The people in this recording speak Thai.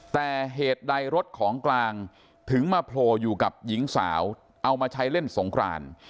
แต่เหตุใดรถของกลางถึงมาโผล่อยู่กับหญิงสาวเอามาใช้เล่นสงคราน